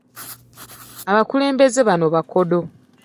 Abakulembeze bano bakodo.